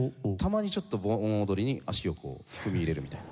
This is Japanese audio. たまにちょっと盆踊りに足を踏み入れるみたいな。